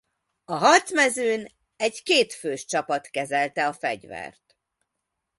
A harcmezőn egy két fős csapat kezelte a fegyvert.